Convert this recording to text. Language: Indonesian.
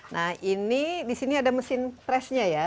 nah ini di sini ada mesin presnya ya